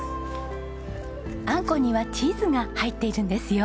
あんこにはチーズが入っているんですよ。